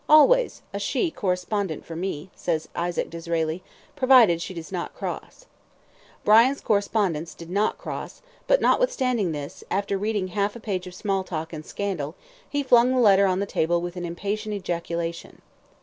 "Always a she correspondent for me," says Isaac Disraeli, "provided she does not cross." Brian's correspondence did not cross, but notwithstanding this, after reading half a page of small talk and scandal, he flung the letter on the table with an impatient ejaculation.